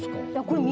これ。